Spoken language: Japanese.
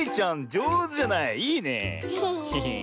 じょうずじゃない？いいねえ。